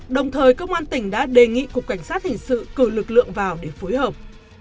đồng thời công an tỉnh đã đề nghị cục cảnh sát hình sự cử lực lượng vào để phối hợp